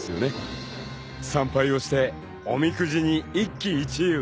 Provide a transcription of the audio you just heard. ［参拝をしておみくじに一喜一憂］